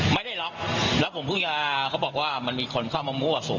ไม่ได้ล็อกแล้วผมเพิ่งจะเขาบอกว่ามันมีคนเข้ามามั่วสุม